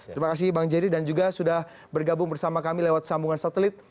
terima kasih bang jerry dan juga sudah bergabung bersama kami lewat sambungan satelit